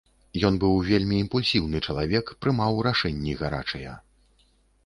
Ён быў вельмі імпульсіўны чалавек, прымаў рашэнні гарачыя.